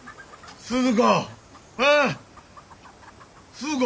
スズ子！